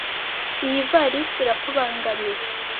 Iyi ivarisi irakubangamiye?